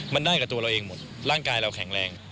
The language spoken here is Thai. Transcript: มันได้กับตัวเราเองหมดร่างกายเราแข็งแรง